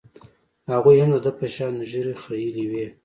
هغوى هم د ده په شان ږيرې خرييلې وې.